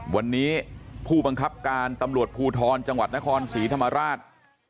วันนี้ผู้บังคับการตำรวจภูทรจังหวัดนครศรีธรรมราช